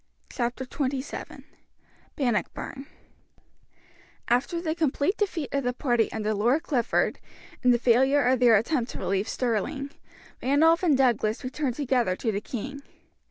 Chapter XXVII Bannockburn After the complete defeat of the party under Lord Clifford, and the failure of their attempt to relieve Stirling, Randolph and Douglas returned together to the king.